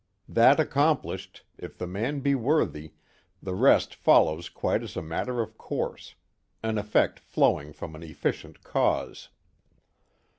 That accomplished, if the man be worthy, the rest follows quite as a matter of course, an effect flowing from an efficient cause.